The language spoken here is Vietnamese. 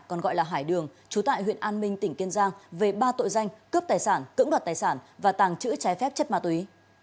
còn gọi là hải đường chú tại huyện an minh tỉnh kiên giang về ba tội danh cướp tài sản cưỡng đoạt tài sản và tàng trữ trái phép chất ma túy